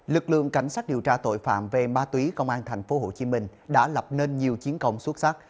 lực lượng cảnh sát điều tra tội phạm về ma túy công an tp hcm đã lập nên nhiều chiến công xuất sắc